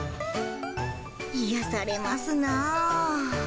癒やされますなあ。